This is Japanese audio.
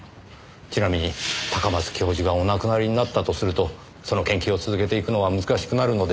ちなみに高松教授がお亡くなりになったとするとその研究を続けていくのは難しくなるのでしょうかねぇ。